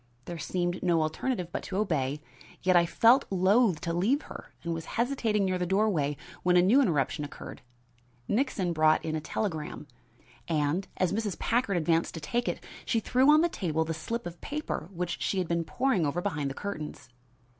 There seemed no alternative but to obey, yet I felt loath to leave her and was hesitating near the doorway when a new interruption occurred. Nixon brought in a telegram, and, as Mrs. Packard advanced to take it, she threw on the table the slip of paper which she had been poring over behind the curtains.